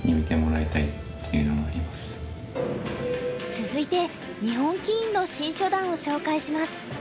続いて日本棋院の新初段を紹介します。